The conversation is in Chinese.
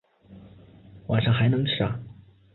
晚上还能吃啊